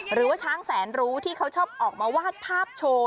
หรือว่าช้างแสนรู้ที่เขาชอบออกมาวาดภาพโชว์